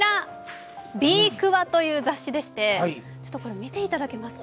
「ＢＥ−ＫＵＷＡ」という雑誌でして見ていただけますか？